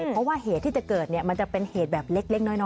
เพราะว่าเหตุที่จะเกิดมันจะเป็นเหตุแบบเล็กน้อย